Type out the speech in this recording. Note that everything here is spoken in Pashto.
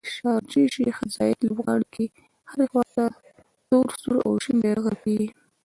د شارجې شیخ ذاید لوبغالي کې هرې خواته تور، سور او شین بیرغ رپیږي